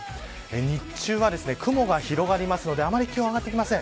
日中は雲が広がりますのであまり気温が上がりません。